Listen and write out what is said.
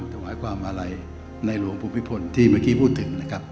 ถวายความอาลัยในหลวงภูมิพลที่เมื่อกี้พูดถึงนะครับ